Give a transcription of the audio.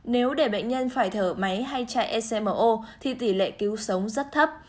nếu để bệnh nhân phải thở máy hay chạy ecmo thì tỷ lệ cứu sống rất thấp